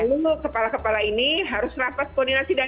lalu kepala kepala ini harus rapat koordinasi daerah